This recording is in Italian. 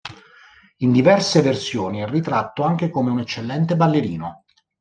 In diverse versioni è ritratto anche come un eccellente ballerino.